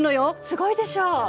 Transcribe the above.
すごいでしょ？